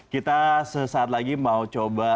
kita sesaat lagi mau coba